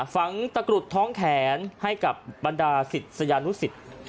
ฝังตะกรุดท้องแขนให้กับบรรดาศิษยานุสิต